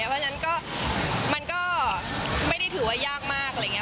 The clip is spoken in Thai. เพราะฉะนั้นก็มันก็ไม่ได้ถือว่ายากมากอะไรอย่างนี้